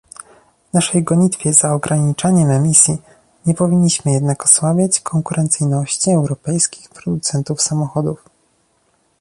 W naszej gonitwie za ograniczaniem emisji nie powinniśmy jednak osłabiać konkurencyjności europejskich producentów samochodów